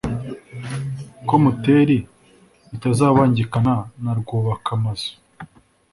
ko muteri itazabangikana na rwubaka-mazu.